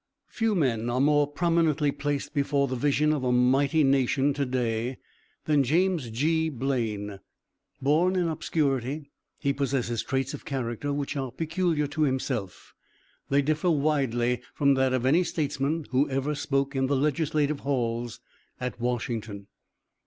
Few men are more prominently placed before the vision of a mighty nation to day than James G. Blaine. Born in obscurity, he possesses traits of character which are peculiar to himself; they differ widely from that of any statesman who ever spoke in the legislative halls at Washington.